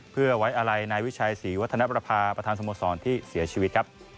เพื่อไว้อาลัยนายวิชัยศรีวัฒนประภาประธานสมสรรค์ที่เสียชีวิต